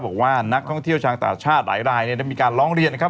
บอกว่านักท่องเที่ยวช่างต่างชาติหลายมีการร้องเรียนนะครับ